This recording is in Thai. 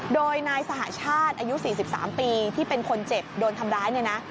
โดยนายสหชาติอายุ๔๓ปีที่เป็นคนเจ็บโดนทำร้ายเนี่ยนะ